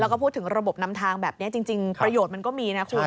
แล้วก็พูดถึงระบบนำทางแบบนี้จริงประโยชน์มันก็มีนะคุณ